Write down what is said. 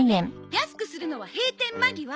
安くするのは閉店間際！